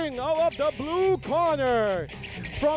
คนนี้มาจากอำเภออูทองจังหวัดสุภัณฑ์บุรีนะครับ